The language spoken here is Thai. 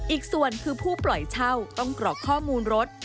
อีกส่วนคือผู้ปล่อยเช่าต้องกรอกข้อมูลรถ